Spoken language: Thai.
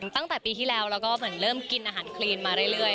ตั้งแต่ปีที่แล้วแล้วก็เหมือนเริ่มกินอาหารคลีนมาเรื่อย